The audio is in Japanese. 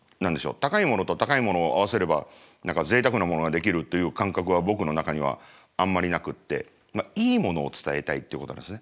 高いものと高いものを合わせればぜいたくなものが出来るという感覚は僕の中にはあんまりなくっていいものを伝えたいってことなんですね。